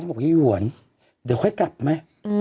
บอกยายหวนเดี๋ยวค่อยกลับไหม